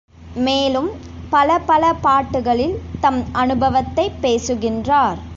மேலும் பல பல பாட்டுக்களில் தம் அநுபவத்தைப் பேசுகின்றார்.